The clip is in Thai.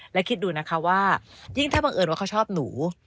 และคิดดูนะคะว่ายิ่งถ้าบังเอิญว่าเขาชอบหนู